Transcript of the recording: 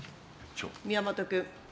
宮本君。